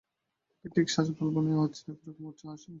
একে ঠিক সাজ বলব না, এ হচ্ছে ওর এক রকমের উচ্চ হাসি।